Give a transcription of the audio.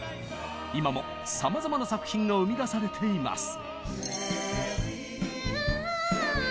今もさまざまな作品が生み出されています。